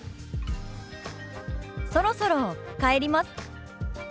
「そろそろ帰ります」。